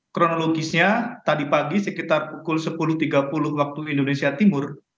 kronologisnya tadi pagi sekitar pukul sepuluh tiga puluh waktu indonesia timur